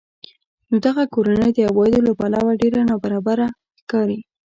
نو دغه کورنۍ د عوایدو له پلوه ډېره نابرابره ښکاري